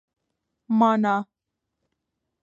مانا